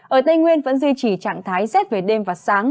ở tây nguyên vẫn duy trì trạng thái z về đêm và sáng